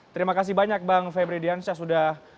terima kasih banyak bang febri diansyah sudah